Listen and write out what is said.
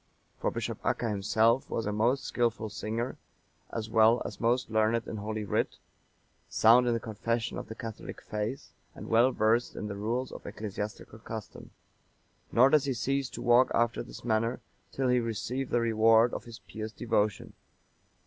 For Bishop Acca himself was a most skilful singer, as well as most learned in Holy Writ, sound in the confession of the catholic faith, and well versed in the rules of ecclesiastical custom; nor does he cease to walk after this manner, till he receive the rewards of his pious devotion.